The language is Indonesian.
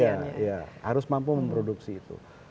ya ya harus mampu memproduksi itu